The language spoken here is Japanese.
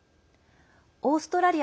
オーストラリア